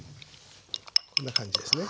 こんな感じですね。